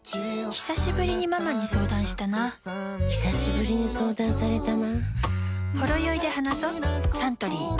ひさしぶりにママに相談したなひさしぶりに相談されたな